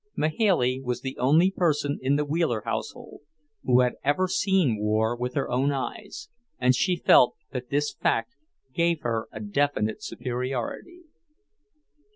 Mahailey was the only person in the Wheeler household who had ever seen war with her own eyes, and she felt that this fact gave her a definite superiority.